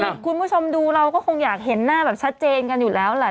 คุณผู้ชมดูเราก็คงอยากเห็นหน้าแบบชัดเจนกันอยู่แล้วแหละ